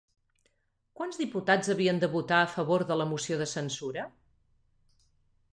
Quants diputats havien de votar a favor de la moció de censura?